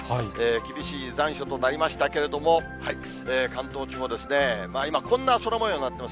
厳しい残暑となりましたけれども、関東地方、今、こんな空もようになっています。